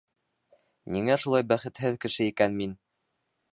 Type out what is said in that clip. Ниңә шулай бәхетһеҙ кеше икән мин?!